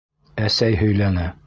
— Әсәй һөйләне.